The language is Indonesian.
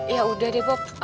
ya udah deh bob